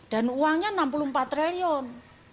dan uangnya enam puluh empat triliun